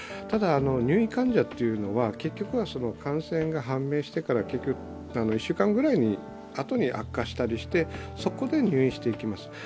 ただ、入院患者というのは結局は感染が判明してから１週間ぐらいあとに悪化したりして、そこで入院していきます。